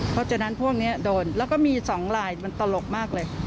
เพราะฉะนั้นพวกนี้โดนแล้วก็มี๒ลายมันตลกมากเลย